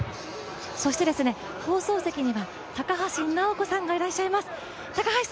放送席には高橋尚子さんがいらっしゃいます。